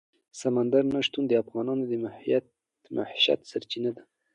سمندر نه شتون د افغانانو د معیشت سرچینه ده.